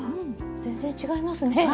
全然違いますね。